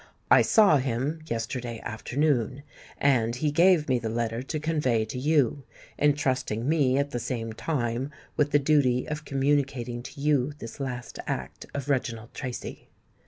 I saw him yesterday afternoon; and he gave me the letter to convey to you, entrusting me at the same time with the duty of communicating to you this last act of Reginald Tracy.